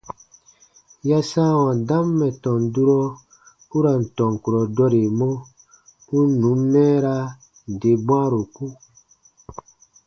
Ya sãawa dam mɛ̀ tɔn durɔ u ra n tɔn kurɔ dɔremɔ, u n nùn mɛɛraa nde bwãaroku.